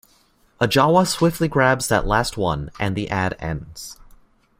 A Jawa swiftly grabs that last one and the ad ends.